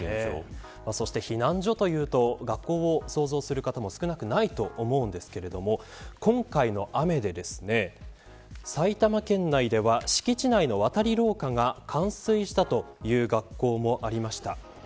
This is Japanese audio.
そして、避難所というと学校を想像する方も少なくないと思うんですけれども今回の雨で埼玉県内では敷地内の渡り廊下が冠水したという学校もありました。